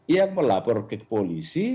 yang melapor ke kepolisi